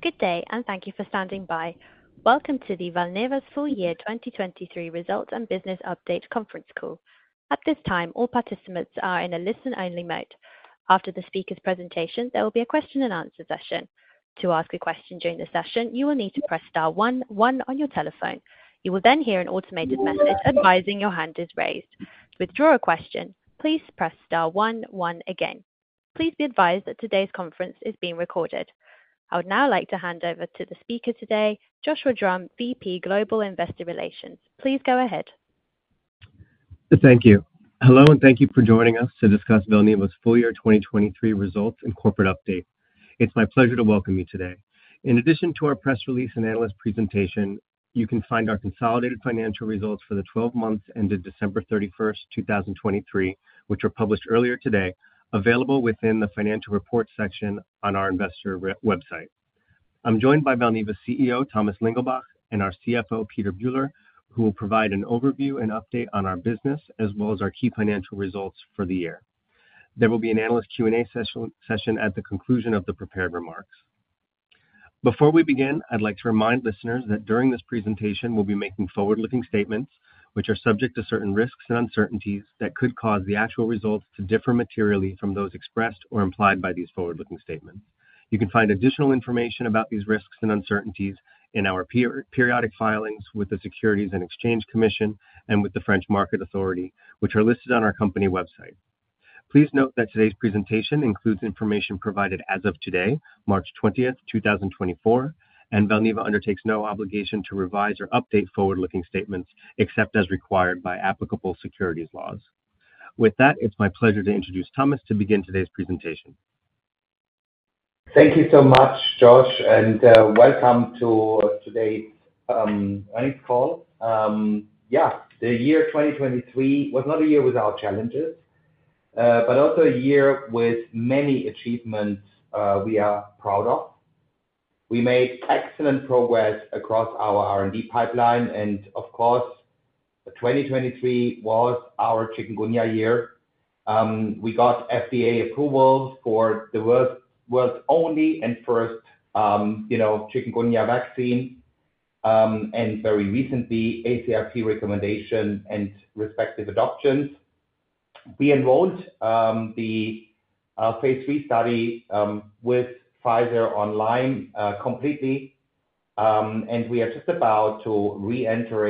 Good day, and thank you for standing by. Welcome to Valneva's full-year 2023 Results and Business Update conference call. At this time, all participants are in a listen-only mode. After the speaker's presentation, there will be a question-and-answer session. To ask a question during the session, you will need to press star 1 1 on your telephone. You will then hear an automated message advising your hand is raised. To withdraw a question, please press star 1 1 again. Please be advised that today's conference is being recorded. I would now like to hand over to the speaker today, Joshua Drumm, VP Global Investor Relations. Please go ahead. Thank you. Hello, and thank you for joining us to discuss Valneva's full-year 2023 results and corporate update. It's my pleasure to welcome you today. In addition to our press release and analyst presentation, you can find our consolidated financial results for the 12 months ended December 31st, 2023, which were published earlier today, available within the financial report section on our investor website. I'm joined by Valneva's CEO, Thomas Lingelbach, and our CFO, Peter Bühler, who will provide an overview and update on our business as well as our key financial results for the year. There will be an analyst Q&A session at the conclusion of the prepared remarks. Before we begin, I'd like to remind listeners that during this presentation, we'll be making forward-looking statements, which are subject to certain risks and uncertainties that could cause the actual results to differ materially from those expressed or implied by these forward-looking statements. You can find additional information about these risks and uncertainties in our periodic filings with the Securities and Exchange Commission and with the French Market Authority, which are listed on our company website. Please note that today's presentation includes information provided as of today, March 20th, 2024, and Valneva undertakes no obligation to revise or update forward-looking statements except as required by applicable securities laws. With that, it's my pleasure to introduce Thomas to begin today's presentation. Thank you so much, Josh, and welcome to today's earnings call. Yeah, the year 2023 was not a year without challenges, but also a year with many achievements we are proud of. We made excellent progress across our R&D pipeline, and of course, 2023 was our chikungunya year. We got FDA approval for the world's only and first chikungunya vaccine, and very recently, ACIP recommendation and respective adoptions. We enrolled the Phase III study with Pfizer on Lyme completely, and we are just about to re-enter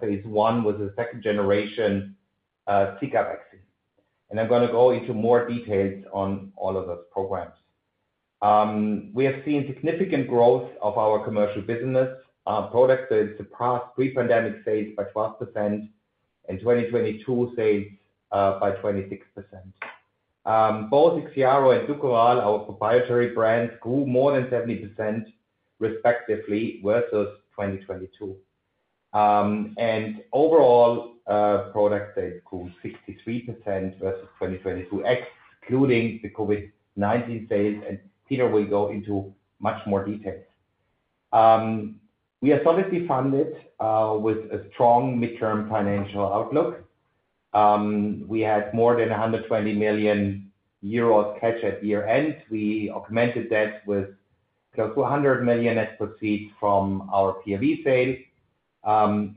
Phase I with the second generation Zika vaccine. I'm going to go into more details on all of those programs. We have seen significant growth of our commercial business products. It surpassed pre-pandemic sales by 12% and 2022 sales by 26%. Both IXIARO and DUKORAL, our proprietary brands, grew more than 70% respectively versus 2022. Overall, product sales grew 63% versus 2022, excluding the COVID-19 sales, and Peter will go into much more details. We are solidly funded with a strong midterm financial outlook. We had more than 120 million euros cash at year-end. We augmented that with close to 100 million net proceeds from our PRV sale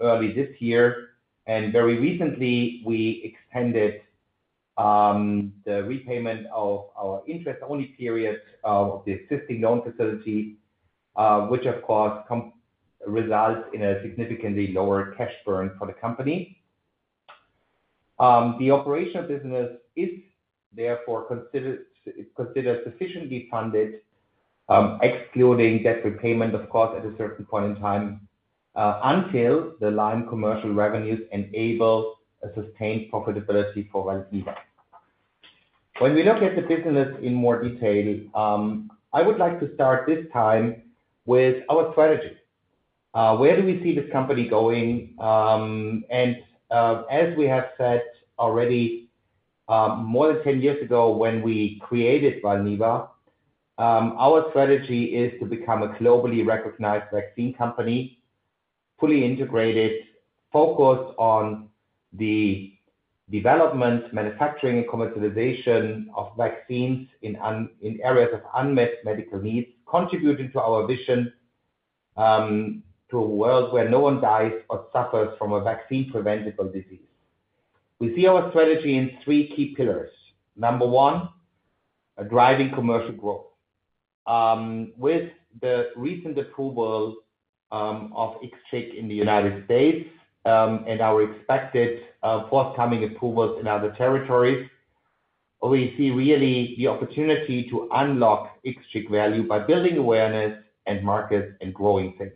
early this year. Very recently, we extended the repayment of our interest-only period of the existing loan facility, which, of course, results in a significantly lower cash burn for the company. The operational business is therefore considered sufficiently funded, excluding debt repayment, of course, at a certain point in time until the line commercial revenues enable a sustained profitability for Valneva. When we look at the business in more detail, I would like to start this time with our strategy. Where do we see this company going? As we have said already, more than 10 years ago when we created Valneva, our strategy is to become a globally recognized vaccine company, fully integrated, focused on the development, manufacturing, and commercialization of vaccines in areas of unmet medical needs, contributing to our vision to a world where no one dies or suffers from a vaccine-preventable disease. We see our strategy in three key pillars. Number 1, driving commercial growth. With the recent approval of IXCHIQ in the United States and our expected forthcoming approvals in other territories, we see really the opportunity to unlock IXCHIQ value by building awareness and markets and growing things.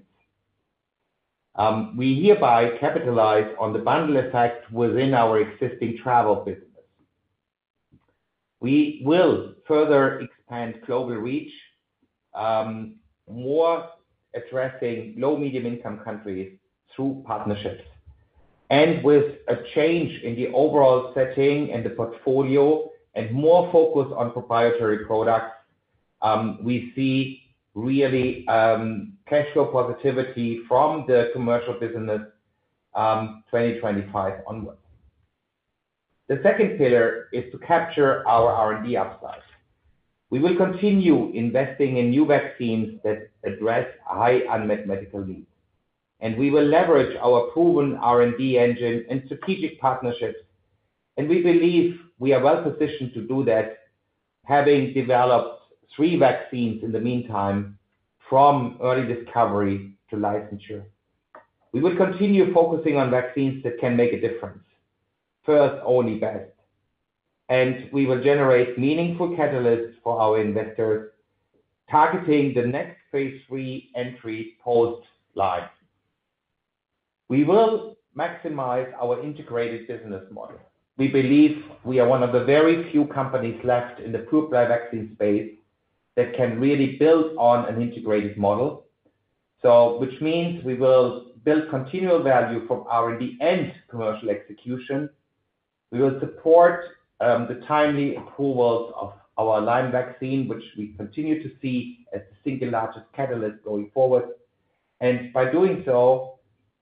We hereby capitalize on the bundle effect within our existing travel business. We will further expand global reach, more addressing low-medium-income countries through partnerships. With a change in the overall setting and the portfolio and more focus on proprietary products, we see really cash flow positivity from the commercial business 2025 onward. The second pillar is to capture our R&D upside. We will continue investing in new vaccines that address high unmet medical needs. We will leverage our proven R&D engine and strategic partnerships. We believe we are well positioned to do that, having developed three vaccines in the meantime from early discovery to licensure. We will continue focusing on vaccines that can make a difference, first only best. We will generate meaningful catalysts for our investors, targeting the next phase three entry post-Lyme. We will maximize our integrated business model. We believe we are one of the very few companies left in the pure-play vaccine space that can really build on an integrated model, which means we will build continual value from R&D and commercial execution. We will support the timely approvals of our Lyme vaccine, which we continue to see as the single largest catalyst going forward. By doing so,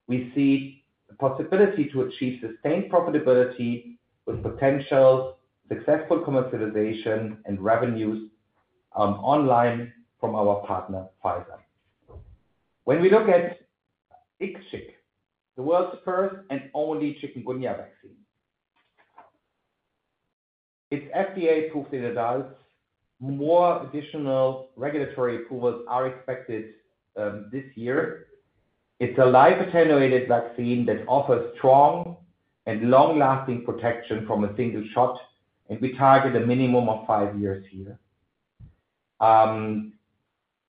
we see the possibility to achieve sustained profitability with potential successful commercialization and revenues online from our partner, Pfizer. When we look at IXCHIQ, the world's first and only chikungunya vaccine, it's FDA-approved in adults. More additional regulatory approvals are expected this year. It's a live attenuated vaccine that offers strong and long-lasting protection from a single shot, and we target a minimum of five years here. The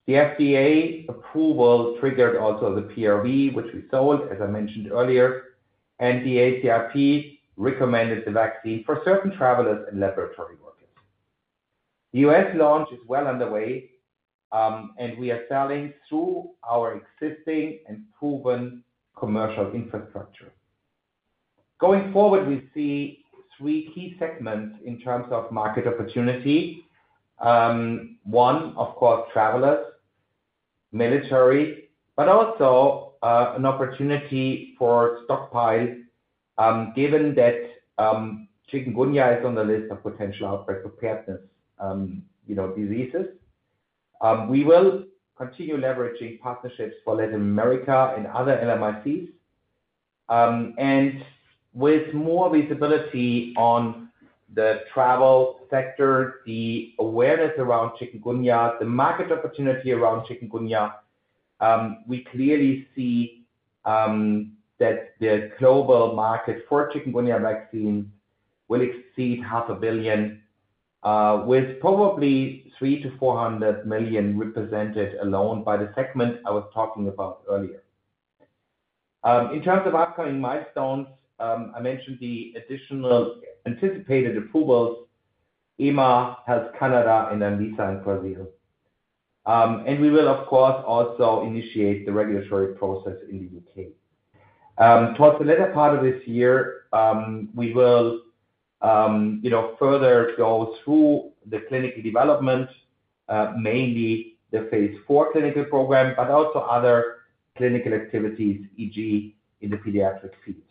FDA approval triggered also the PRV, which we sold, as I mentioned earlier, and the ACIP recommended the vaccine for certain travelers and laboratory workers. The U.S. launch is well underway, and we are selling through our existing and proven commercial infrastructure. Going forward, we see three key segments in terms of market opportunity. One, of course, travelers, military, but also an opportunity for stockpile, given that chikungunya is on the list of potential outbreak preparedness diseases. We will continue leveraging partnerships for Latin America and other LMICs. And with more visibility on the travel sector, the awareness around chikungunya, the market opportunity around chikungunya, we clearly see that the global market for chikungunya vaccines will exceed $500 million, with probably $300 million-$400 million represented alone by the segment I was talking about earlier. In terms of upcoming milestones, I mentioned the additional anticipated approvals: EMA, Health Canada, and Anvisa in Brazil. We will, of course, also initiate the regulatory process in the U.K. Towards the latter part of this year, we will further go through the clinical development, mainly the Phase IV clinical program, but also other clinical activities, e.g., in the pediatric field.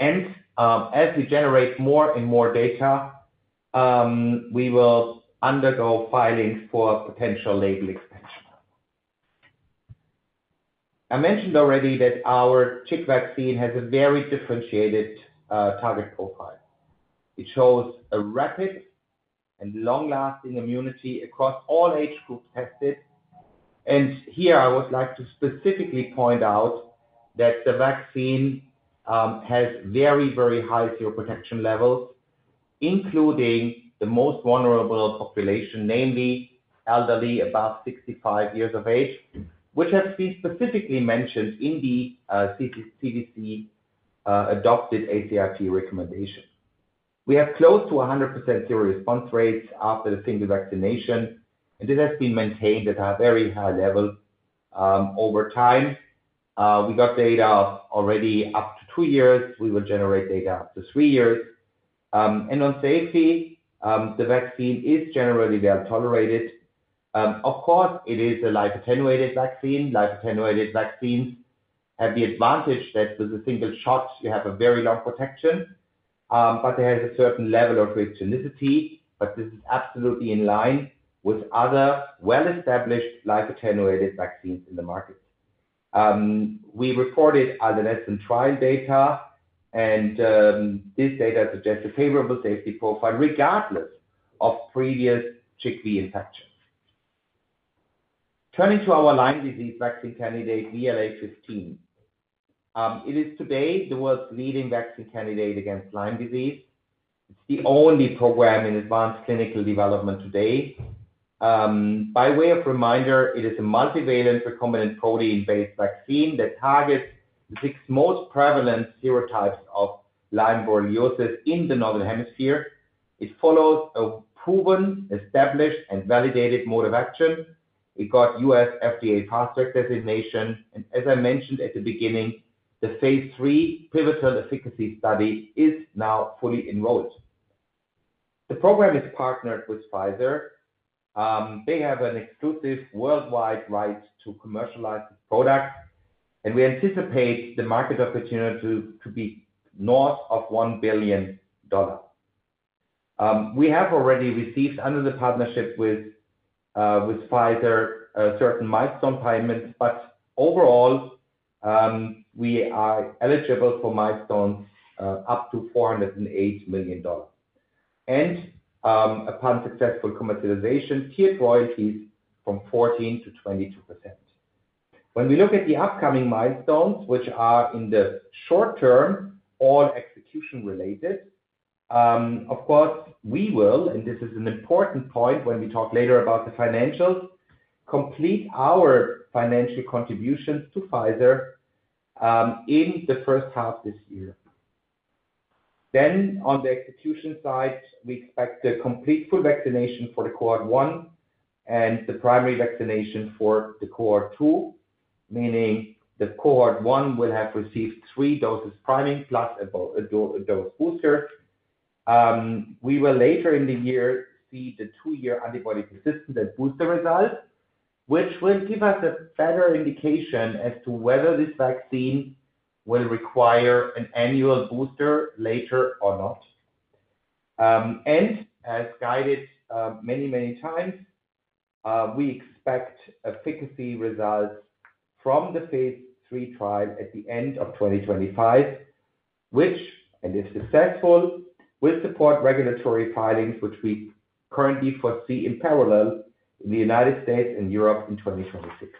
As we generate more and more data, we will undergo filings for potential label expansion. I mentioned already that our chikungunya vaccine has a very differentiated target profile. It shows a rapid and long-lasting immunity across all age groups tested. Here, I would like to specifically point out that the vaccine has very, very high seroprotection levels, including the most vulnerable population, namely elderly above 65 years of age, which has been specifically mentioned in the CDC-adopted ACIP recommendation. We have close to 100% seroresponse rates after the single vaccination, and this has been maintained at a very high level over time. We got data already up to two years. We will generate data up to three years. On safety, the vaccine is generally well tolerated. Of course, it is a live-attenuated vaccine. Live-attenuated vaccines have the advantage that with a single shot, you have a very long protection, but it has a certain level of reactogenicity. But this is absolutely in line with other well-established live-attenuated vaccines in the market. We reported adolescent trial data, and this data suggests a favorable safety profile regardless of previous chikungunya infections. Turning to our Lyme disease vaccine candidate, VLA15. It is today the world's leading vaccine candidate against Lyme disease. It's the only program in advanced clinical development today. By way of reminder, it is a multivalent recombinant protein-based vaccine that targets the 6 most prevalent serotypes of Lyme borreliosis in the northern hemisphere. It follows a proven, established, and validated mode of action. It got U.S. FDA Fast Track designation. As I mentioned at the beginning, the Phase III pivotal efficacy study is now fully enrolled. The program is partnered with Pfizer. They have an exclusive worldwide right to commercialize this product, and we anticipate the market opportunity to be north of $1 billion. We have already received, under the partnership with Pfizer, certain milestone payments, but overall, we are eligible for milestones up to $408 million. Upon successful commercialization, tiered royalties from 14%-22%. When we look at the upcoming milestones, which are in the short term, all execution-related, of course, we will, and this is an important point when we talk later about the financials, complete our financial contributions to Pfizer in the first half this year. Then, on the execution side, we expect the complete full vaccination for the cohort 1 and the primary vaccination for the cohort 2, meaning the cohort 1 will have received 3 doses priming plus a dose booster. We will, later in the year, see the 2-year antibody persistence and booster result, which will give us a better indication as to whether this vaccine will require an annual booster later or not. As guided many, many times, we expect efficacy results from the Phase III trial at the end of 2025, which and, if successful, will support regulatory filings, which we currently foresee in parallel in the United States and Europe in 2026.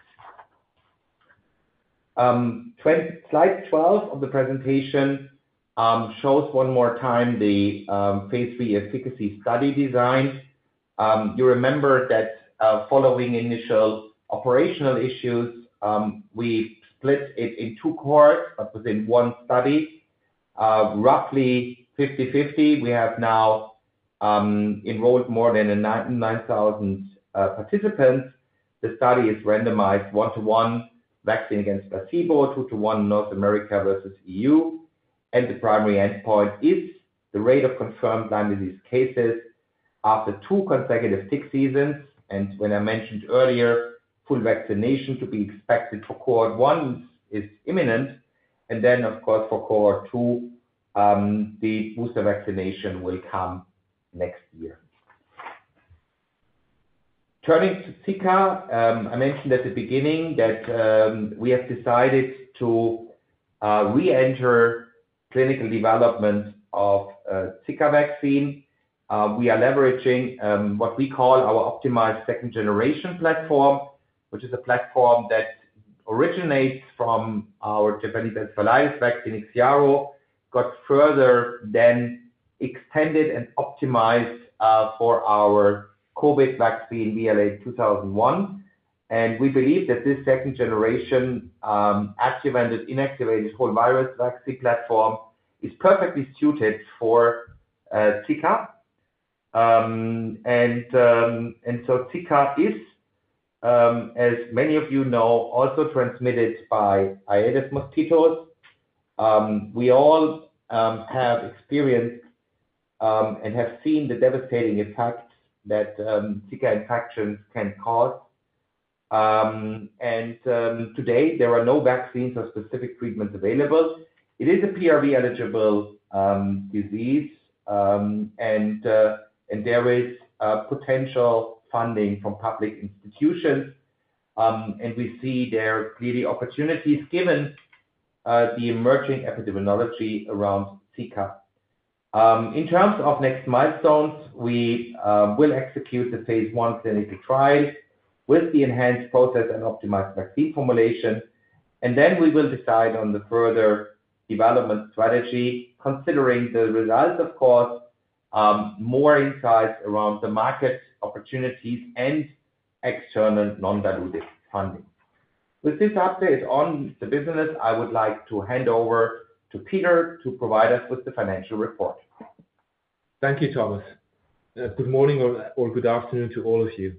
Slide 12 of the presentation shows one more time the Phase III efficacy study design. You remember that following initial operational issues, we split it in two cohorts, but within one study, roughly 50/50. We have now enrolled more than 9,000 participants. The study is randomized 1:1: vaccine against placebo, 2:1 North America versus EU. And the primary endpoint is the rate of confirmed Lyme disease cases after two consecutive tick seasons. And when I mentioned earlier, full vaccination to be expected for cohort one is imminent. And then, of course, for cohort two, the booster vaccination will come next year. Turning to Zika, I mentioned at the beginning that we have decided to re-enter clinical development of Zika vaccine. We are leveraging what we call our optimized second-generation platform, which is a platform that originates from our Japanese encephalitis vaccine, IXIARO, got further then extended and optimized for our COVID vaccine, VLA2001. We believe that this second-generation activated/inactivated whole virus vaccine platform is perfectly suited for Zika. So Zika is, as many of you know, also transmitted by Aedes mosquitoes. We all have experienced and have seen the devastating effects that Zika infections can cause. Today, there are no vaccines or specific treatments available. It is a PRV-eligible disease, and there is potential funding from public institutions. We see there clearly opportunities given the emerging epidemiology around Zika. In terms of next milestones, we will execute the Phase I clinical trial with the enhanced process and optimized vaccine formulation. Then we will decide on the further development strategy, considering the results, of course, more insights around the market opportunities and external non-dilutive funding. With this update on the business, I would like to hand over to Peter to provide us with the financial report. Thank you, Thomas. Good morning or good afternoon to all of you.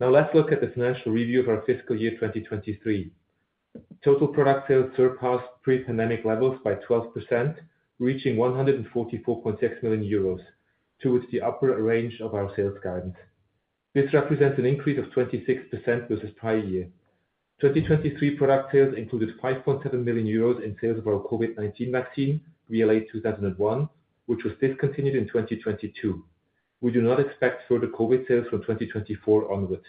Now, let's look at the financial review of our fiscal year 2023. Total product sales surpassed pre-pandemic levels by 12%, reaching 144.6 million euros, towards the upper range of our sales guidance. This represents an increase of 26% versus prior year. 2023 product sales included 5.7 million euros in sales of our COVID-19 vaccine, VLA2001, which was discontinued in 2022. We do not expect further COVID sales from 2024 onward.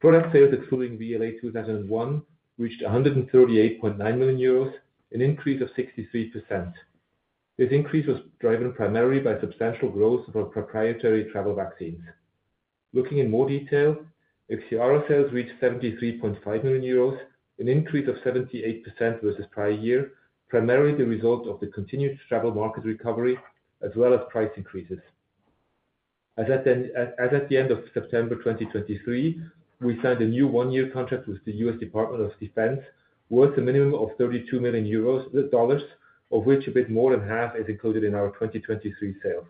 Product sales excluding VLA2001 reached 138.9 million euros, an increase of 63%. This increase was driven primarily by substantial growth of our proprietary travel vaccines. Looking in more detail, IXIARO sales reached 73.5 million euros, an increase of 78% versus prior year, primarily the result of the continued travel market recovery as well as price increases. As at the end of September 2023, we signed a new one-year contract with the U.S. Department of Defense worth a minimum of 32 million euros, of which a bit more than half is included in our 2023 sales.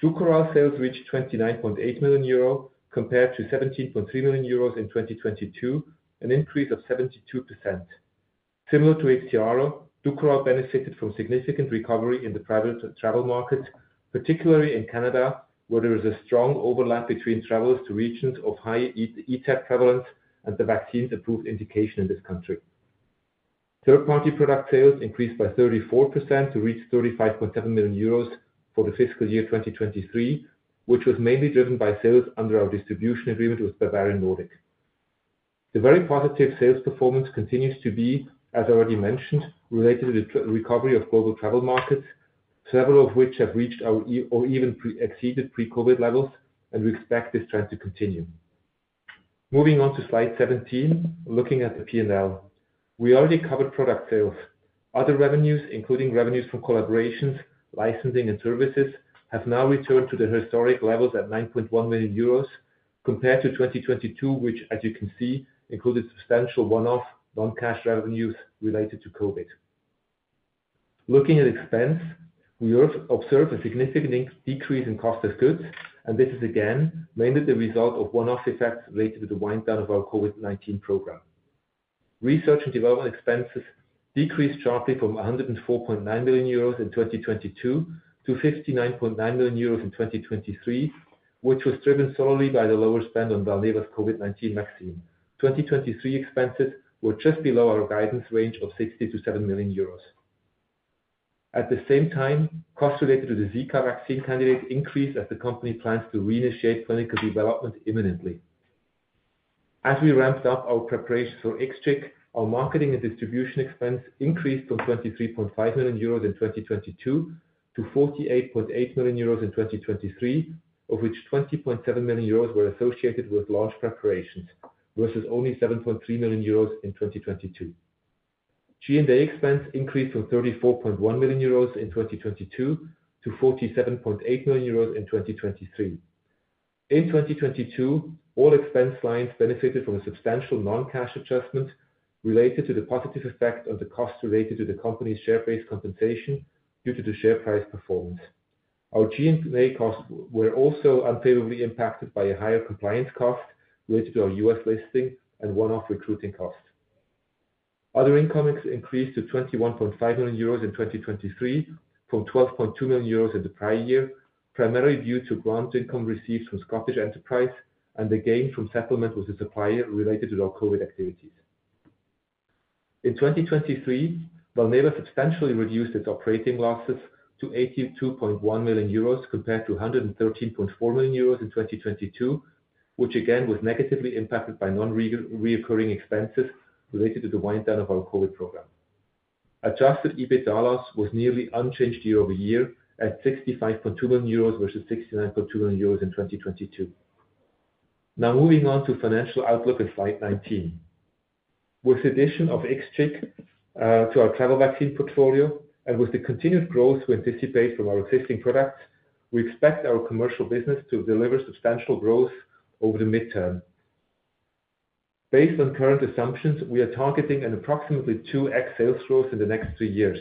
DUKORAL sales reached 29.8 million euros compared to 17.3 million euros in 2022, an increase of 72%. Similar to IXIARO, DUKORAL benefited from significant recovery in the private travel markets, particularly in Canada, where there is a strong overlap between travelers to regions of high ETEC prevalence and the vaccine's approved indication in this country. Third-party product sales increased by 34% to reach 35.7 million euros for the fiscal year 2023, which was mainly driven by sales under our distribution agreement with Bavarian Nordic. The very positive sales performance continues to be, as already mentioned, related to the recovery of global travel markets, several of which have reached our or even exceeded pre-COVID levels, and we expect this trend to continue. Moving on to slide 17, looking at the P&L. We already covered product sales. Other revenues, including revenues from collaborations, licensing, and services, have now returned to their historic levels at 9.1 million euros compared to 2022, which, as you can see, included substantial one-off non-cash revenues related to COVID. Looking at expense, we observe a significant decrease in cost of goods, and this is, again, mainly the result of one-off effects related to the winddown of our COVID-19 program. Research and development expenses decreased sharply from 104.9 million euros in 2022 to 59.9 million euros in 2023, which was driven solely by the lower spend on Valneva's COVID-19 vaccine. 2023 expenses were just below our guidance range of 60-7 million euros. At the same time, costs related to the Zika vaccine candidate increased as the company plans to reinitiate clinical development imminently. As we ramped up our preparations for IXCHIQ, our marketing and distribution expense increased from 23.5 million euros in 2022 to 48.8 million euros in 2023, of which 20.7 million euros were associated with launch preparations versus only 7.3 million euros in 2022. G&A expense increased from 34.1 million euros in 2022 to 47.8 million euros in 2023. In 2022, all expense lines benefited from a substantial non-cash adjustment related to the positive effect on the costs related to the company's share-based compensation due to the share price performance. Our G&A costs were also unfavorably impacted by a higher compliance cost related to our U.S. listing and one-off recruiting costs. Other incomings increased to 21.5 million euros in 2023 from 12.2 million euros in the prior year, primarily due to grant income received from Scottish Enterprise and the gain from settlement with the supplier related to our COVID activities. In 2023, Valneva substantially reduced its operating losses to 82.1 million euros compared to 113.4 million euros in 2022, which again was negatively impacted by non-recurring expenses related to the wind-down of our COVID program. Adjusted EBITDA loss was nearly unchanged year-over-year at 65.2 million euros versus 69.2 million euros in 2022. Now, moving on to financial outlook at slide 19. With the addition of IXCHIQ to our travel vaccine portfolio and with the continued growth we anticipate from our existing products, we expect our commercial business to deliver substantial growth over the mid-term. Based on current assumptions, we are targeting an approximately 2x sales growth in the next three years.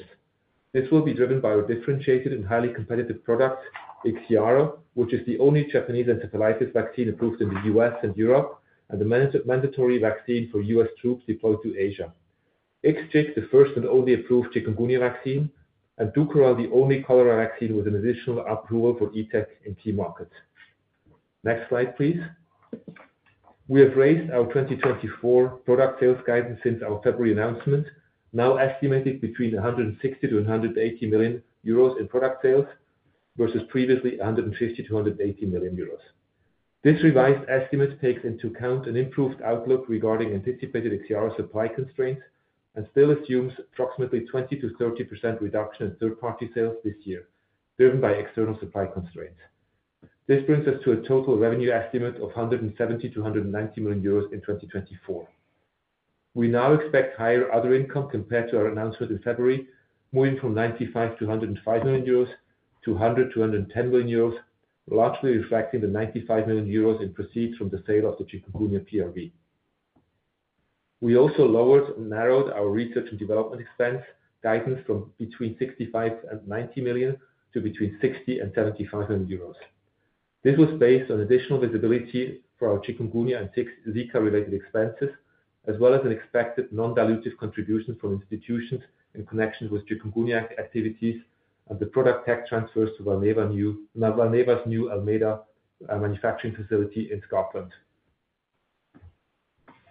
This will be driven by our differentiated and highly competitive product, IXIARO, which is the only Japanese encephalitis vaccine approved in the U.S. and Europe and the mandatory vaccine for U.S. troops deployed to Asia, IXCHIQ, the first and only approved chikungunya vaccine, and DUKORAL, the only cholera vaccine with an additional approval for ETEC in key markets. Next slide, please. We have raised our 2024 product sales guidance since our February announcement, now estimated between 160-180 million euros in product sales versus previously 150 million-180 million euros. This revised estimate takes into account an improved outlook regarding anticipated IXIARO supply constraints and still assumes approximately 20%-30% reduction in third-party sales this year, driven by external supply constraints. This brings us to a total revenue estimate of 170 million-190 million euros in 2024. We now expect higher other income compared to our announcement in February, moving from 95-105 million euros to 100 million-110 million euros, largely reflecting the 95 million euros in proceeds from the sale of the chikungunya PRV. We also lowered and narrowed our research and development expense guidance from between 65 million-90 million to between 60 million-75 million euros. This was based on additional visibility for our chikungunya and Zika-related expenses, as well as an expected non-dilutive contribution from institutions in connection with chikungunya activities and the product tech transfers to Valneva's new Almeida manufacturing facility in Scotland.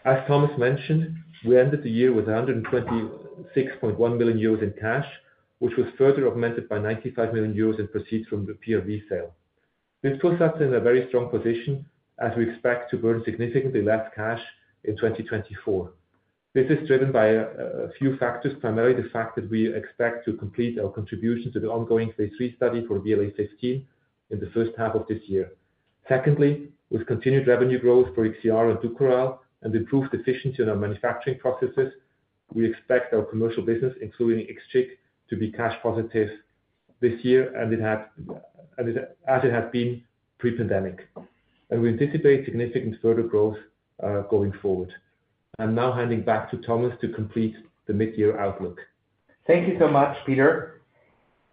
As Thomas mentioned, we ended the year with 126.1 million euros in cash, which was further augmented by 95 million euros in proceeds from the PRV sale. This puts us in a very strong position as we expect to burn significantly less cash in 2024. This is driven by a few factors, primarily the fact that we expect to complete our contribution to the ongoing Phase III study for VLA15 in the first half of this year. Secondly, with continued revenue growth for IXIARO and DUKORAL and improved efficiency in our manufacturing processes, we expect our commercial business, including IXCHIQ, to be cash positive this year and as it has been pre-pandemic. We anticipate significant further growth going forward. I'm now handing back to Thomas to complete the midyear outlook. Thank you so much, Peter.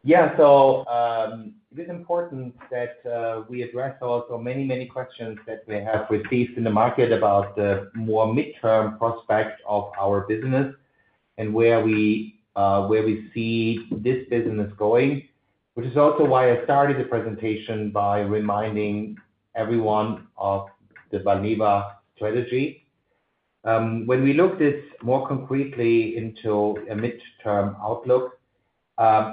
Yeah, so it is important that we address also many, many questions that we have received in the market about the more midterm prospect of our business and where we see this business going, which is also why I started the presentation by reminding everyone of the Valneva strategy. When we looked at more concretely into a midterm outlook,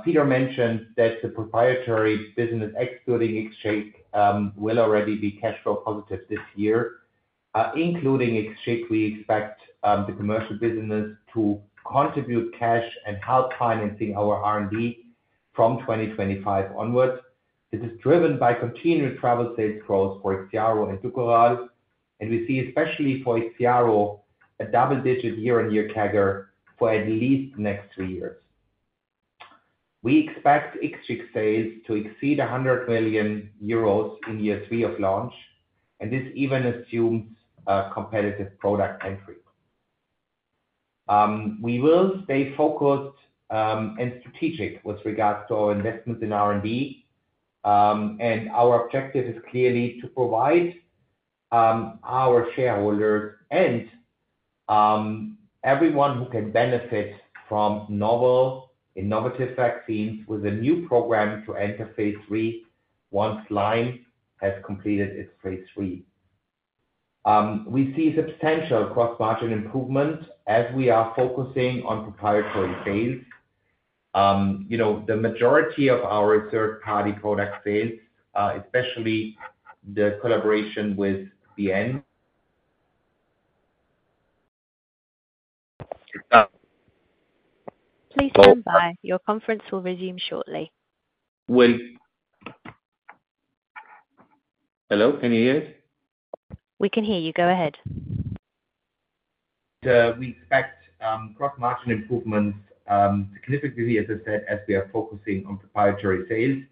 Peter mentioned that the proprietary business excluding IXCHIQ will already be cash flow positive this year. Including IXCHIQ, we expect the commercial business to contribute cash and help financing our R&D from 2025 onwards. This is driven by continued travel sales growth for IXIARO and DUKORAL. We see, especially for IXIARO, a double-digit year-on-year CAGR for at least the next three years. We expect IXCHIQ sales to exceed 100 million euros in year three of launch, and this even assumes a competitive product entry. We will stay focused and strategic with regards to our investments in R&D. Our objective is clearly to provide our shareholders and everyone who can benefit from novel, innovative vaccines with a new program to enter Phase III once Lyme has completed its Phase III. We see substantial gross-margin improvement as we are focusing on proprietary sales. The majority of our third-party product sales, especially the collaboration with BN. Please stand by. Your conference will resume shortly. Will. Hello? Can you hear us? We can hear you. Go ahead. We expect gross-margin improvements significantly, as I said, as we are focusing on proprietary sales.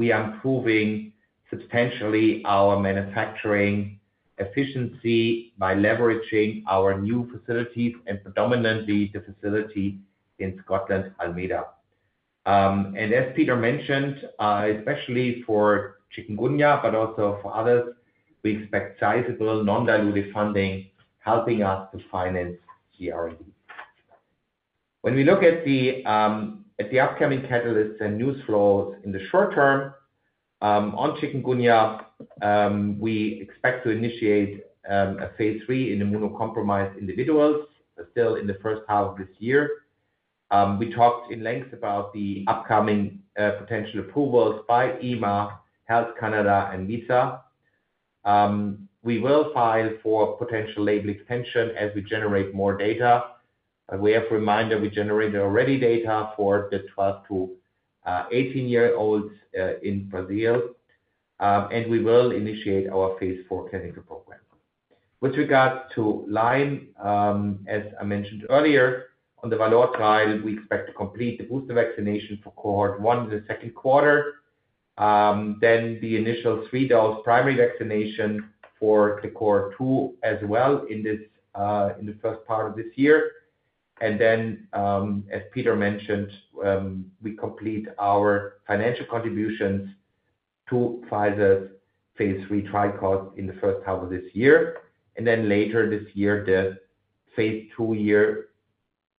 We are improving substantially our manufacturing efficiency by leveraging our new facilities and predominantly the facility in Scotland, Almeida. As Peter mentioned, especially for chikungunya, but also for others, we expect sizable non-dilutive funding helping us to finance the R&D. When we look at the upcoming catalysts and news flows in the short term on chikungunya, we expect to initiate a Phase III in immunocompromised individuals still in the first half of this year. We talked at length about the upcoming potential approvals by EMA, Health Canada, and Anvisa. We will file for potential label extension as we generate more data. We have reminded we generated already data for the 12-18-year-olds in Brazil. We will initiate our Phase IV clinical program. With regards to Lyme, as I mentioned earlier, on the Valneva side, we expect to complete the booster vaccination for cohort one in the second quarter, then the initial three-dose primary vaccination for the cohort two as well in the first part of this year. And then, as Peter mentioned, we complete our financial contributions to Phase III trial costs in the first half of this year. And then later this year, the Phase II-year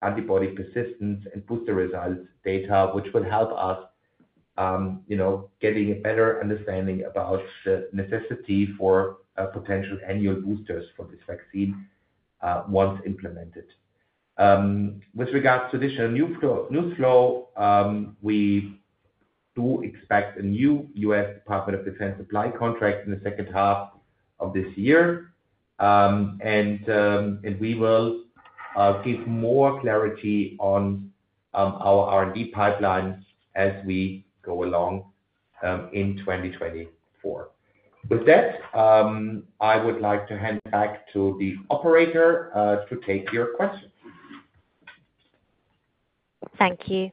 antibody persistence and booster results data, which will help us getting a better understanding about the necessity for potential annual boosters for this vaccine once implemented. With regards to additional news flow, we do expect a new U.S. Department of Defense supply contract in the second half of this year. And we will give more clarity on our R&D pipelines as we go along in 2024. With that, I would like to hand back to the operator to take your questions. Thank you.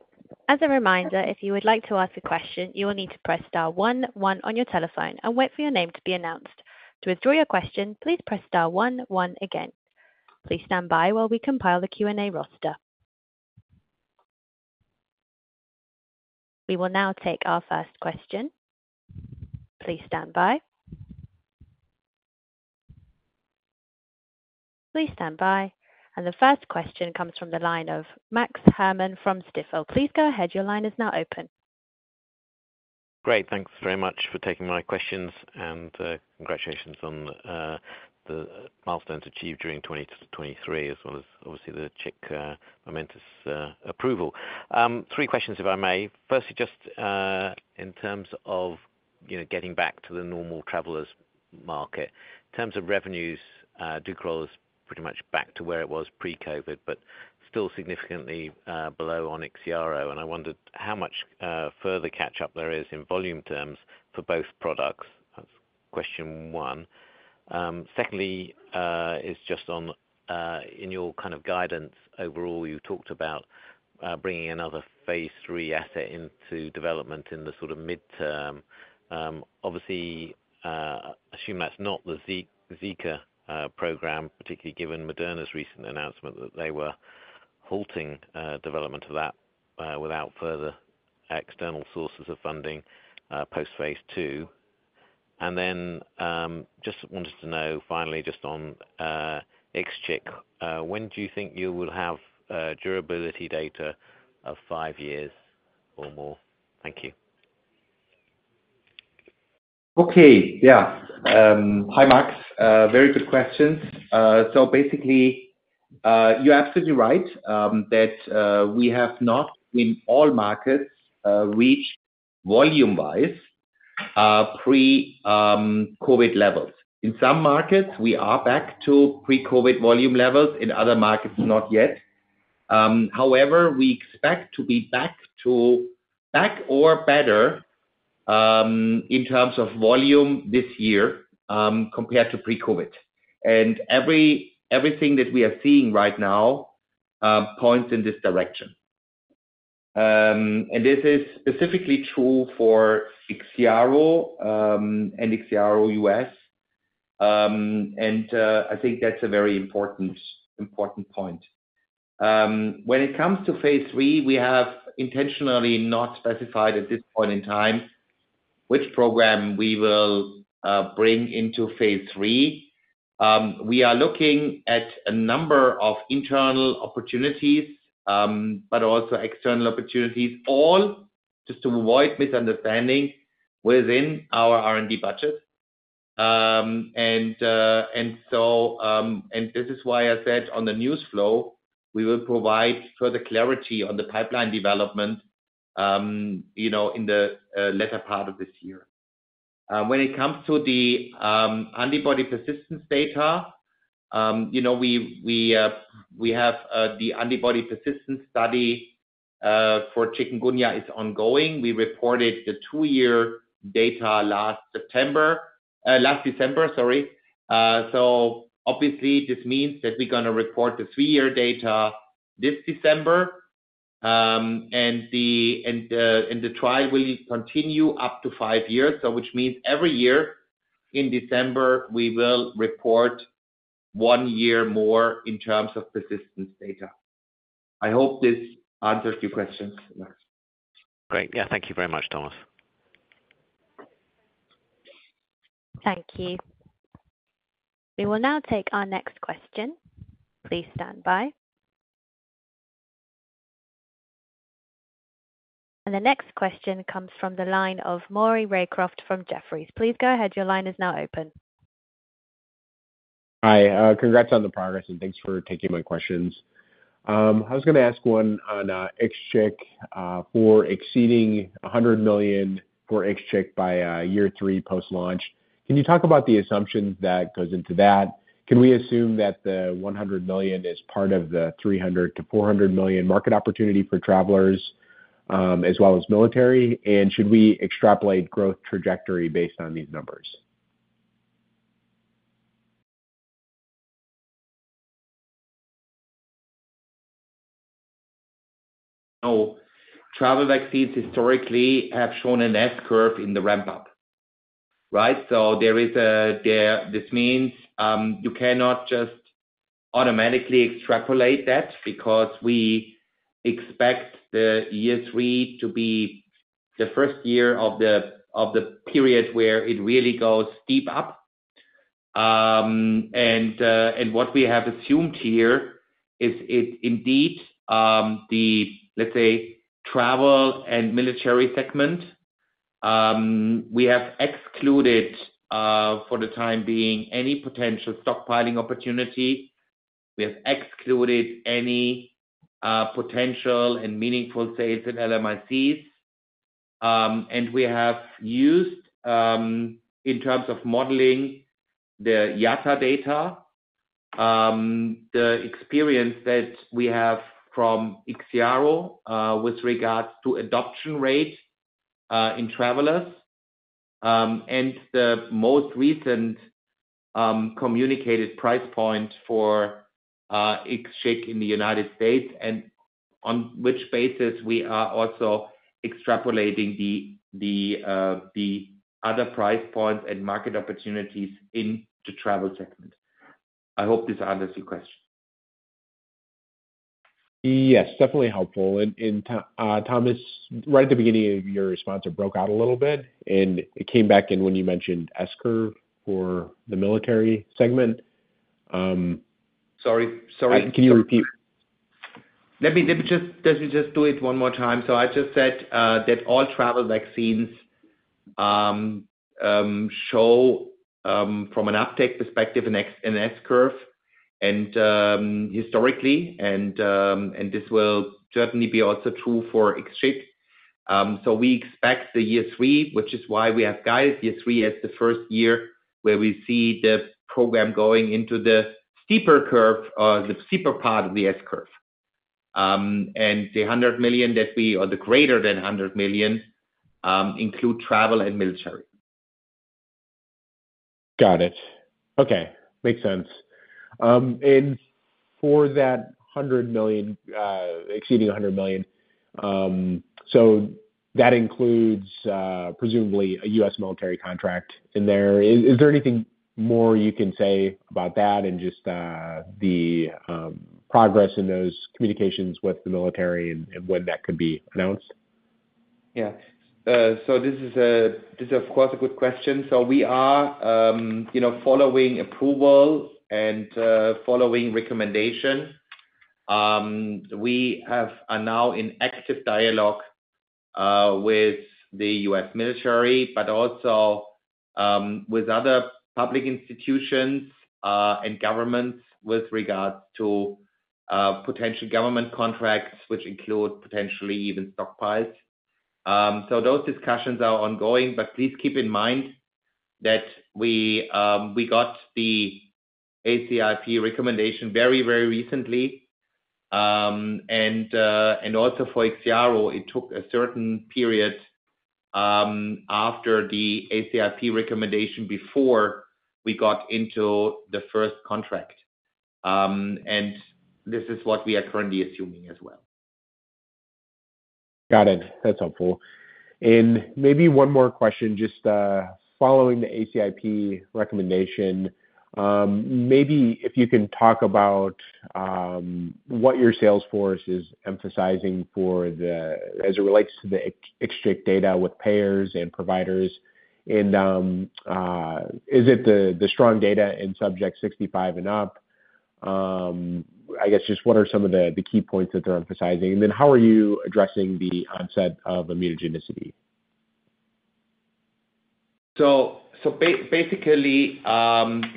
As a reminder, if you would like to ask a question, you will need to press star 11 on your telephone and wait for your name to be announced. To withdraw your question, please press star 11 again. Please stand by while we compile the Q&A roster. We will now take our first question. Please stand by. Please stand by. The first question comes from the line of Max Herrmann from Stifel. Please go ahead. Your line is now open. Great. Thanks very much for taking my questions. Congratulations on the milestones achieved during 2023 as well as, obviously, the IXCHIQ approval. Three questions, if I may. Firstly, just in terms of getting back to the normal travelers market, in terms of revenues, DUKORAL is pretty much back to where it was pre-COVID but still significantly below on IXIARO. I wondered how much further catch-up there is in volume terms for both products. That's question one. Secondly, it's just on in your kind of guidance overall, you talked about bringing another Phase III asset into development in the sort of midterm. Obviously, assume that's not the Zika program, particularly given Moderna's recent announcement that they were halting development of that without further external sources of funding post-Phase II. Then just wanted to know, finally, just on IXCHIQ, when do you think you will have durability data of five years or more? Thank you. Okay. Yeah. Hi, Max. Very good questions. So basically, you're absolutely right that we have not, in all markets, reached volume-wise pre-COVID levels. In some markets, we are back to pre-COVID volume levels. In other markets, not yet. However, we expect to be back or better in terms of volume this year compared to pre-COVID. And everything that we are seeing right now points in this direction. And this is specifically true for IXIARO and IXIARO U.S.. And I think that's a very important point. When it comes to Phase III, we have intentionally not specified at this point in time which program we will bring into Phase III. We are looking at a number of internal opportunities but also external opportunities, all just to avoid misunderstanding, within our R&D budget. And this is why I said on the news flow, we will provide further clarity on the pipeline development in the latter part of this year. When it comes to the antibody persistence data, we have the antibody persistence study for chikungunya, is ongoing. We reported the two-year data last December, sorry. So obviously, this means that we're going to report the three-year data this December. And the trial will continue up to 5 years, which means every year in December, we will report one year more in terms of persistence data. I hope this answers your questions, Max. Great. Yeah. Thank you very much, Thomas. Thank you. We will now take our next question. Please stand by. The next question comes from the line of Maury Raycroft from Jefferies. Please go ahead. Your line is now open. Hi. Congrats on the progress, and thanks for taking my questions. I was going to ask one on IXCHIQ for exceeding 100 million for IXCHIQ by year three post-launch. Can you talk about the assumptions that goes into that? Can we assume that the 100 million is part of the 300 million-400 million market opportunity for travelers as well as military? And should we extrapolate growth trajectory based on these numbers? No. Travel vaccines historically have shown an S-curve in the ramp-up, right? So this means you cannot just automatically extrapolate that because we expect the year three to be the first year of the period where it really goes steep up. And what we have assumed here is it indeed the, let's say, travel and military segment. We have excluded, for the time being, any potential stockpiling opportunity. We have excluded any potential and meaningful sales in LMICs. And we have used, in terms of modeling the IXCHIQ data, the experience that we have from IXIARO with regards to adoption rate in travelers and the most recent communicated price point for IXCHIQ in the United States, and on which basis we are also extrapolating the other price points and market opportunities in the travel segment. I hope this answers your question. Yes, definitely helpful. Thomas, right at the beginning of your response, it broke out a little bit. It came back in when you mentioned S-curve for the military segment. Sorry. Sorry. Can you repeat? Let me just do it one more time. So I just said that all travel vaccines show, from an uptake perspective, an S-curve historically. And this will certainly be also true for IXCHIQ. So we expect the year three, which is why we have guided year three as the first year where we see the program going into the steeper curve or the steeper part of the S-curve. And the 100 million that we or the greater than 100 million include travel and military. Got it. Okay. Makes sense. And for that exceeding 100 million, so that includes presumably a U.S. military contract in there. Is there anything more you can say about that and just the progress in those communications with the military and when that could be announced? Yeah. So this is, of course, a good question. So we are following approval and following recommendation. We are now in active dialogue with the U.S. military but also with other public institutions and governments with regards to potential government contracts, which include potentially even stockpiles. So those discussions are ongoing. But please keep in mind that we got the ACIP recommendation very, very recently. And also for IXIARO, it took a certain period after the ACIP recommendation before we got into the first contract. And this is what we are currently assuming as well. Got it. That's helpful. And maybe one more question, just following the ACIP recommendation. Maybe if you can talk about what your salesforce is emphasizing as it relates to the IXCHIQ data with payers and providers. And is it the strong data in subjects 65 and up? I guess just what are some of the key points that they're emphasizing? And then how are you addressing the onset of immunogenicity? So basically, let's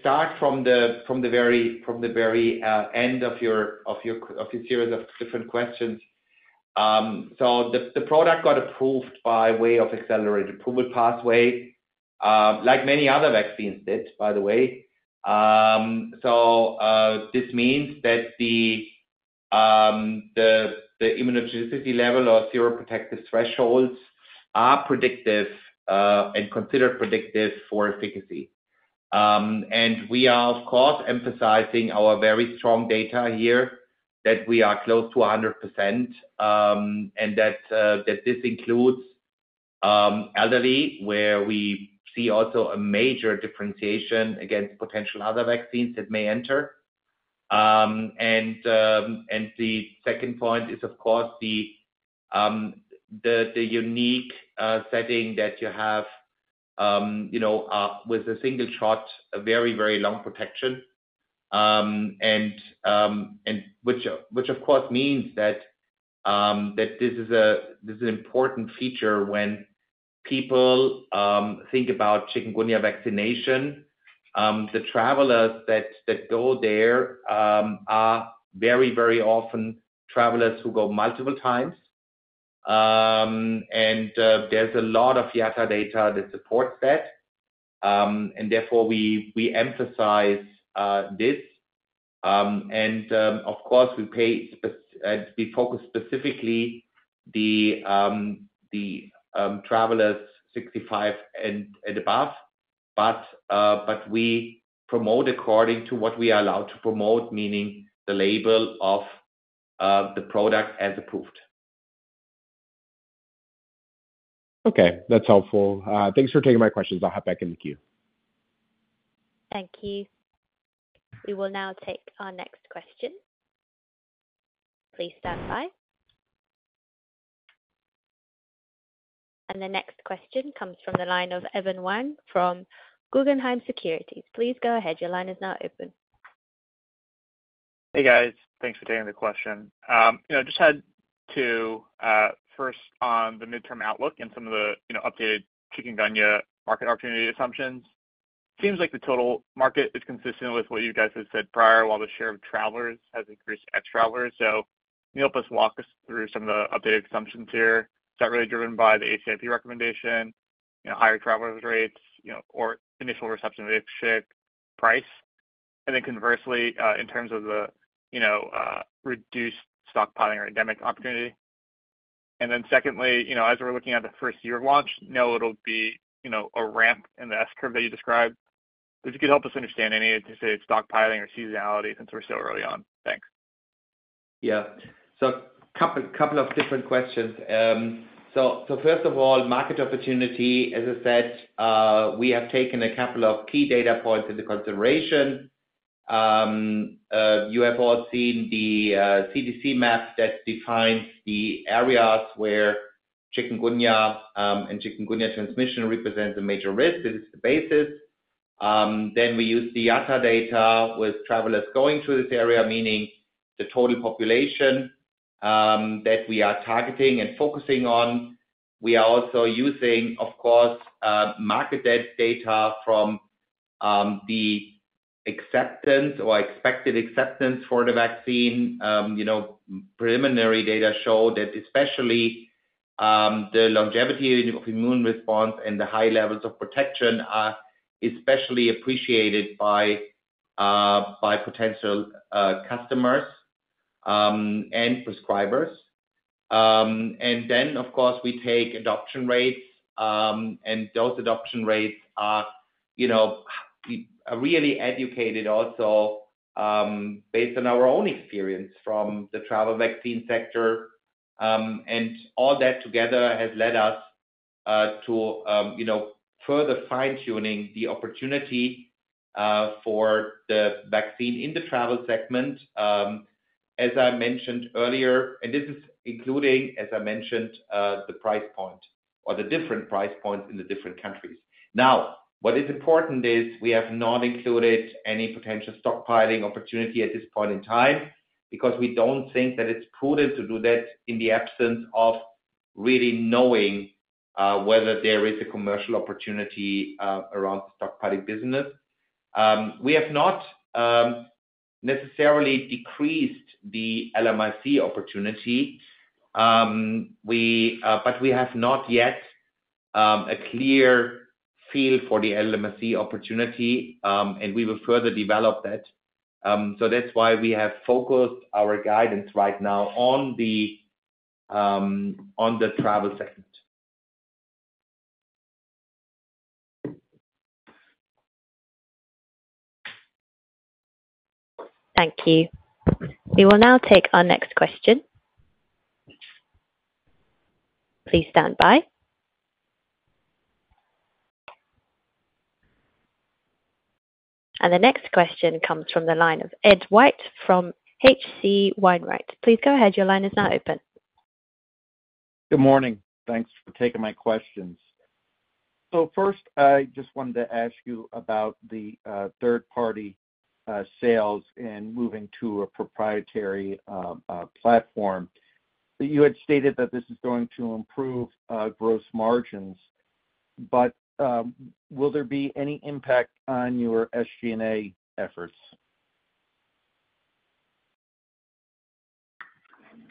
start from the very end of your series of different questions. So the product got approved by way of accelerated approval pathway, like many other vaccines did, by the way. So this means that the immunogenicity level or seroprotective thresholds are predictive and considered predictive for efficacy. And we are, of course, emphasizing our very strong data here that we are close to 100% and that this includes elderly, where we see also a major differentiation against potential other vaccines that may enter. And the second point is, of course, the unique setting that you have with a single shot, a very, very long protection, which, of course, means that this is an important feature when people think about chikungunya vaccination. The travelers that go there are very, very often travelers who go multiple times. And there's a lot of IATA data that supports that. Therefore, we emphasize this. Of course, we focus specifically on the travelers 65 and above. We promote according to what we are allowed to promote, meaning the label of the product as approved. Okay. That's helpful. Thanks for taking my questions. I'll hop back in the queue. Thank you. We will now take our next question. Please stand by. And the next question comes from the line of Evan Wang from Guggenheim Securities. Please go ahead. Your line is now open. Hey, guys. Thanks for taking the question. Just had two. First, on the mid-term outlook and some of the updated chikungunya market opportunity assumptions, it seems like the total market is consistent with what you guys had said prior while the share of travelers has increased ex-travelers. So can you help us walk us through some of the updated assumptions here? Is that really driven by the ACIP recommendation, higher travelers rates, or initial reception of IXCHIQ price? And then conversely, in terms of the reduced stockpiling or endemic opportunity? And then secondly, as we're looking at the first year of launch, you know it'll be a ramp in the S-curve that you described. If you could help us understand any of, say, stockpiling or seasonality since we're still early on. Thanks. Yeah. So a couple of different questions. So first of all, market opportunity, as I said, we have taken a couple of key data points into consideration. You have all seen the CDC map that defines the areas where chikungunya and chikungunya transmission represents a major risk. This is the basis. Then we use the IATA data with travelers going through this area, meaning the total population that we are targeting and focusing on. We are also using, of course, market data from the acceptance or expected acceptance for the vaccine. Preliminary data show that especially the longevity of immune response and the high levels of protection are especially appreciated by potential customers and prescribers. And then, of course, we take adoption rates. And those adoption rates are really educated also based on our own experience from the travel vaccine sector. All that together has led us to further fine-tuning the opportunity for the vaccine in the travel segment, as I mentioned earlier. This is including, as I mentioned, the price point or the different price points in the different countries. Now, what is important is we have not included any potential stockpiling opportunity at this point in time because we don't think that it's prudent to do that in the absence of really knowing whether there is a commercial opportunity around the stockpiling business. We have not necessarily decreased the LMIC opportunity, but we have not yet a clear feel for the LMIC opportunity. And we will further develop that. That's why we have focused our guidance right now on the travel segment. Thank you. We will now take our next question. Please stand by. The next question comes from the line of Ed White from H.C. Wainwright. Please go ahead. Your line is now open. Good morning. Thanks for taking my questions. First, I just wanted to ask you about the third-party sales and moving to a proprietary platform. You had stated that this is going to improve gross margins. Will there be any impact on your SG&A efforts?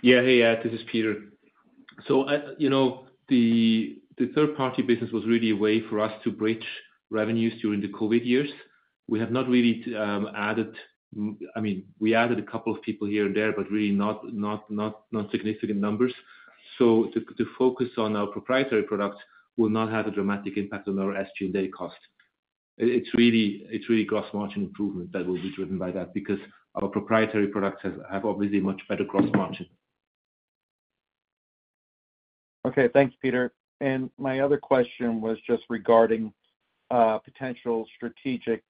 Yeah. Hey, yeah. This is Peter. So the third-party business was really a way for us to bridge revenues during the COVID years. We have not really added. I mean, we added a couple of people here and there, but really not significant numbers. So to focus on our proprietary products will not have a dramatic impact on our SG&A cost. It's really gross margin improvement that will be driven by that because our proprietary products have obviously much better gross margin. Okay. Thanks, Peter. My other question was just regarding potential strategic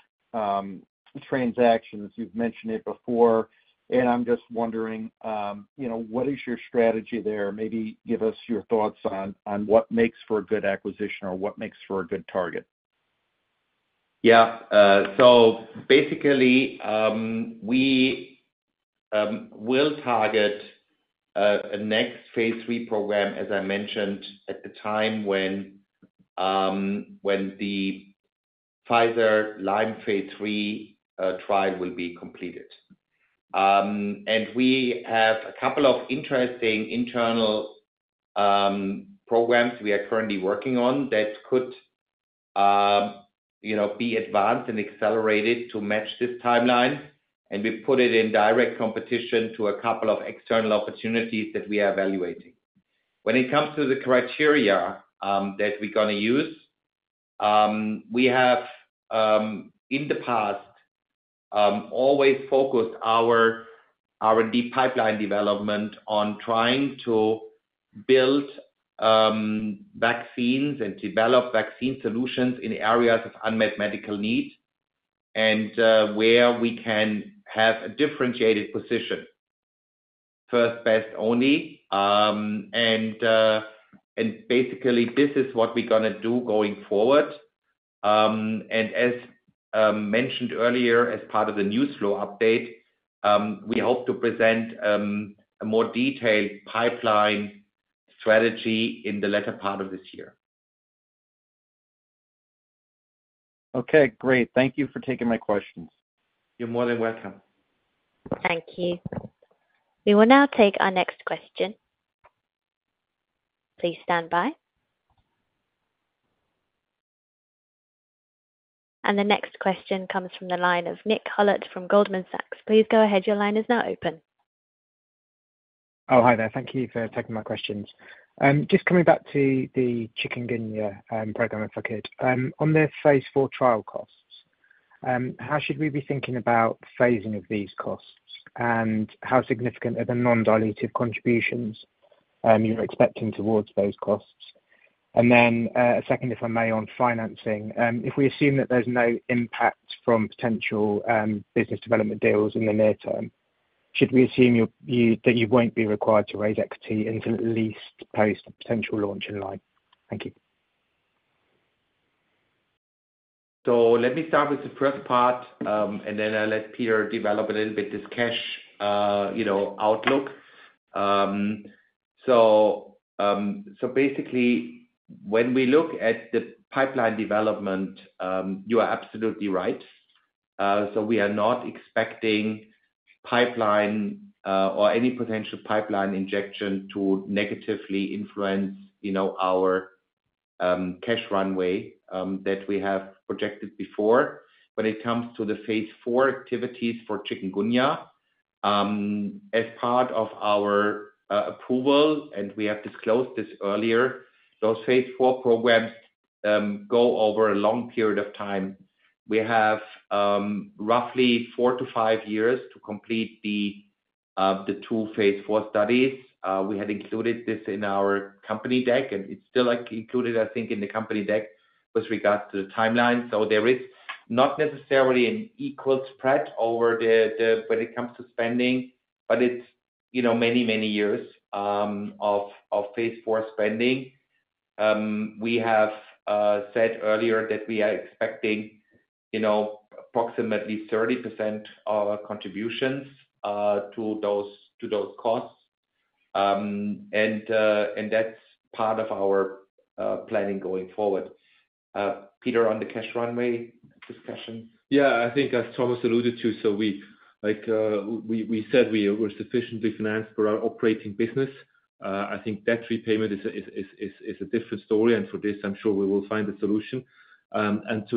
transactions. You've mentioned it before. I'm just wondering, what is your strategy there? Maybe give us your thoughts on what makes for a good acquisition or what makes for a good target. Yeah. So basically, we will target a next Phase III program, as I mentioned, at the time when the Pfizer Lyme Phase III trial will be completed. We have a couple of interesting internal programs we are currently working on that could be advanced and accelerated to match this timeline. We put it in direct competition to a couple of external opportunities that we are evaluating. When it comes to the criteria that we're going to use, we have, in the past, always focused our deep pipeline development on trying to build vaccines and develop vaccine solutions in areas of unmet medical need and where we can have a differentiated position, first best only. Basically, this is what we're going to do going forward. As mentioned earlier, as part of the newsflow update, we hope to present a more detailed pipeline strategy in the latter part of this year. Okay. Great. Thank you for taking my questions. You're more than welcome. Thank you. We will now take our next question. Please stand by. And the next question comes from the line of Nick Hulett from Goldman Sachs. Please go ahead. Your line is now open. Oh, hi there. Thank you for taking my questions. Just coming back to the chikungunya program, if I could. On the Phase IV trial costs, how should we be thinking about phasing of these costs? And how significant are the non-diluted contributions you're expecting towards those costs? And then a second, if I may, on financing. If we assume that there's no impact from potential business development deals in the near term, should we assume that you won't be required to raise equity until at least post a potential launch in line? Thank you. So let me start with the first part, and then I'll let Peter develop a little bit this cash outlook. So basically, when we look at the pipeline development, you are absolutely right. So we are not expecting pipeline or any potential pipeline injection to negatively influence our cash runway that we have projected before. When it comes to the Phase IV activities for Chikungunya, as part of our approval—and we have disclosed this earlier—those Phase IV programs go over a long period of time. We have roughly four to five years to complete the two Phase IV studies. We had included this in our company deck, and it's still included, I think, in the company deck with regards to the timeline. So there is not necessarily an equal spread when it comes to spending, but it's many, many years of Phase IV spending. We have said earlier that we are expecting approximately 30% of our contributions to those costs. That's part of our planning going forward. Peter, on the cash runway discussions? Yeah. I think, as Thomas alluded to, so we said we were sufficiently financed for our operating business. I think debt repayment is a different story. For this, I'm sure we will find a solution. That's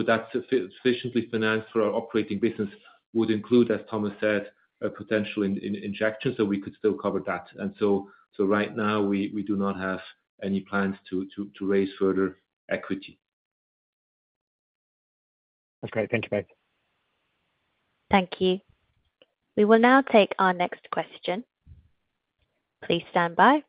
sufficiently financed for our operating business would include, as Thomas said, a potential injection. We could still cover that. Right now, we do not have any plans to raise further equity. That's great. Thank you, both. Thank you. We will now take our next question. Please stand by.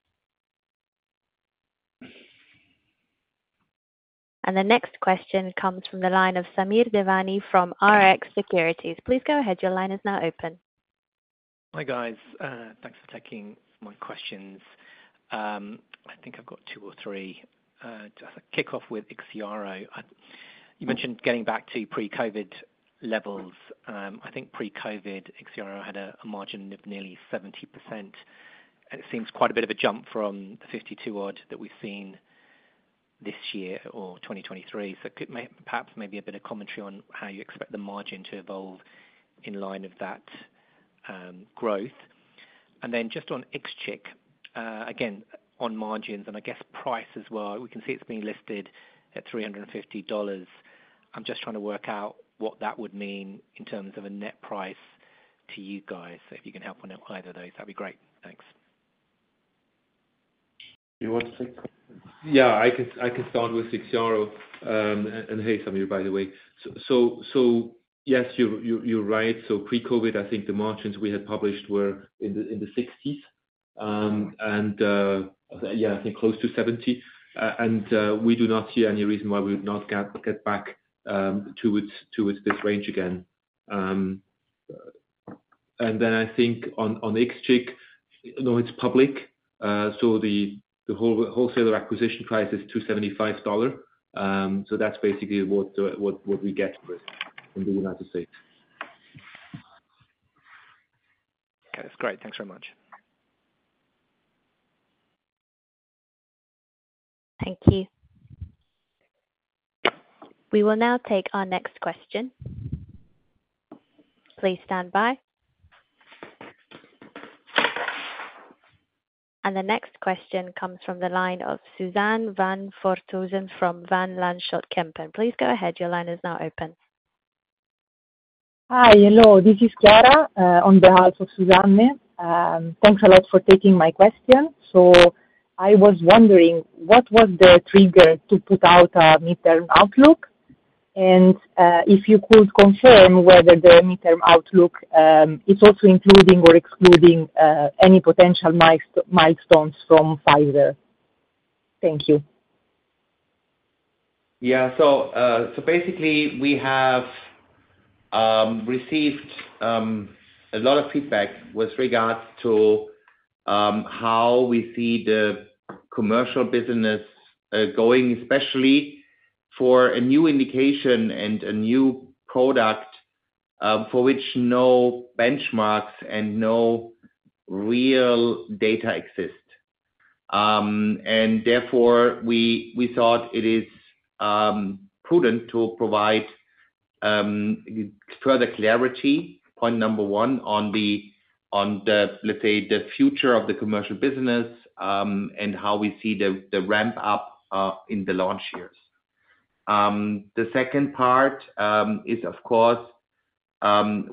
The next question comes from the line of Samir Devani from Rx Securities. Please go ahead. Your line is now open. Hi, guys. Thanks for taking my questions. I think I've got two or three. To kick off with IXIARO, you mentioned getting back to pre-COVID levels. I think pre-COVID, IXIARO had a margin of nearly 70%. And it seems quite a bit of a jump from the 52-odd that we've seen this year or 2023. So perhaps maybe a bit of commentary on how you expect the margin to evolve in line of that growth. And then just on IXCHIQ, again, on margins and I guess price as well, we can see it's being listed at $350. I'm just trying to work out what that would mean in terms of a net price to you guys. So if you can help on either of those, that'd be great. Thanks. You want to take? Yeah. I can start with IXIARO. And hey, Samir, by the way. So yes, you're right. So pre-COVID, I think the margins we had published were in the 60s. And yeah, I think close to 70. And we do not see any reason why we would not get back towards this range again. And then I think on IXCHIQ, no, it's public. So the wholesaler acquisition price is $275. So that's basically what we get from the United States. Okay. That's great. Thanks very much. Thank you. We will now take our next question. Please stand by. The next question comes from the line of Suzanne van Voorthuizen from Van Lanschot Kempen. Please go ahead. Your line is now open. Hi. Hello. This is Chiara on behalf of Suzanne. Thanks a lot for taking my question. I was wondering, what was the trigger to put out a midterm outlook? And if you could confirm whether the midterm outlook is also including or excluding any potential milestones from Pfizer. Thank you. Yeah. So basically, we have received a lot of feedback with regards to how we see the commercial business going, especially for a new indication and a new product for which no benchmarks and no real data exist. And therefore, we thought it is prudent to provide further clarity, point number one, on, let's say, the future of the commercial business and how we see the ramp-up in the launch years. The second part is, of course,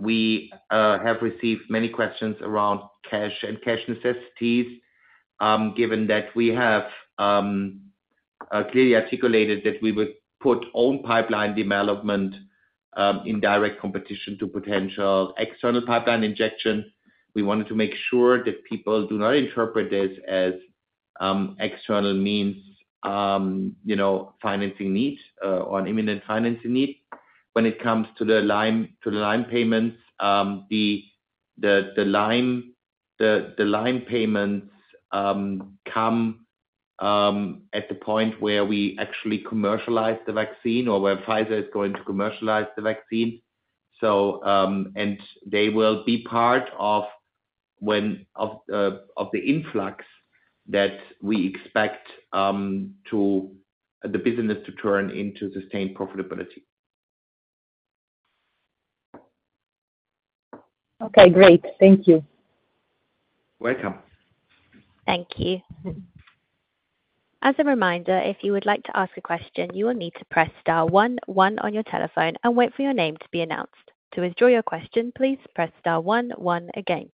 we have received many questions around cash and cash necessities, given that we have clearly articulated that we would put own pipeline development in direct competition to potential external pipeline injection. We wanted to make sure that people do not interpret this as external means financing need or an imminent financing need. When it comes to the Lyme payments, the Lyme payments come at the point where we actually commercialize the vaccine or where Pfizer is going to commercialize the vaccine. They will be part of the influx that we expect the business to turn into sustained profitability. Okay. Great. Thank you. Welcome. Thank you. As a reminder, if you would like to ask a question, you will need to press star 11 on your telephone and wait for your name to be announced. To withdraw your question, please press star 11 again.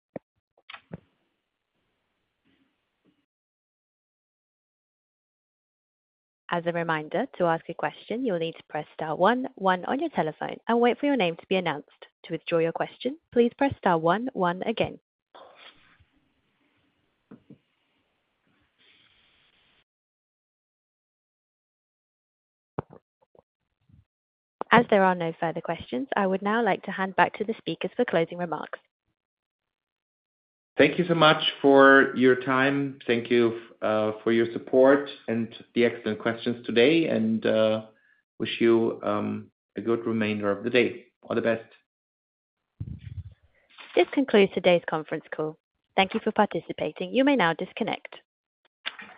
As a reminder, to ask a question, you will need to press star 11 on your telephone and wait for your name to be announced. To withdraw your question, please press star 11 again. As there are no further questions, I would now like to hand back to the speakers for closing remarks. Thank you so much for your time. Thank you for your support and the excellent questions today. Wish you a good remainder of the day. All the best. This concludes today's conference call. Thank you for participating. You may now disconnect.